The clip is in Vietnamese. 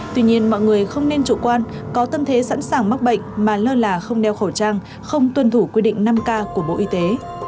tuy nhiên mọi người không nên chủ quan có tâm thế sẵn sàng mắc bệnh mà lơ là không đeo khẩu trang không tuân thủ quy định năm k của bộ y tế